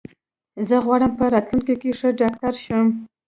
زه غواړم په راتلونکې کې ښه ډاکټر شم.